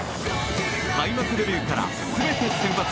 開幕デビューから全て先発。